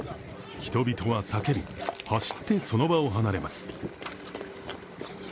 人々は叫び、走ってその場を離れます。